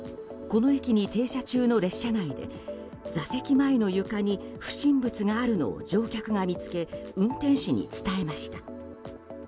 この駅に停車中の列車内で座席前の床に不審物があるのを乗客が見つけ運転士に伝えました。